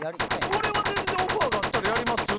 俺は全然オファーがあったらやりますよ。